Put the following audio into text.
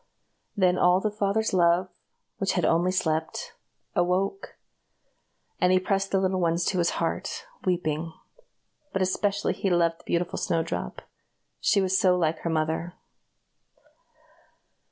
Then all the father's love, which had only slept, awoke, and he pressed the little ones to his heart, weeping; but especially he loved the beautiful Snowdrop, she was so like her mother.